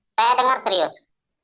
saya dengar serius